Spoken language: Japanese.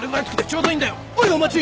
おいお待ち。